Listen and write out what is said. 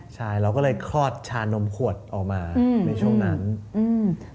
ใช่เราก็เลยคลอดชานมขวดออกมาอืมในช่วงนั้นอืม